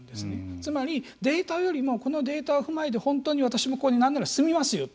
つまり、データよりもこのデータを踏まえて本当に私もここに何なら住みますよと。